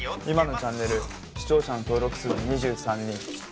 今のチャンネル視聴者の登録数２３人うん？